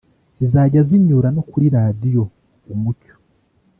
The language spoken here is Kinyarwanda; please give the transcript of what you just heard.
zizajya zinyura no kuri Radiyo Umucyo